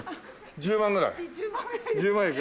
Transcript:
１０万ぐらいです。